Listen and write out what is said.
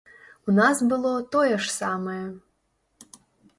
У нас было тое ж самае.